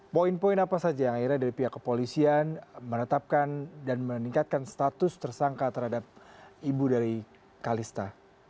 poin poin apa saja yang akhirnya dari pihak kepolisian menetapkan dan meningkatkan status tersangka terhadap ibu dari kalista